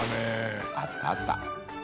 あったあった。